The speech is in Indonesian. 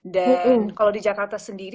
dan kalau di jakarta sendiri